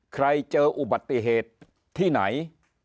เจออุบัติเหตุที่ไหน